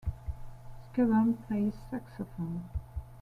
Scavone plays saxophone.